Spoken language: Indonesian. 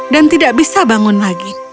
dan tidak bisa bangun lagi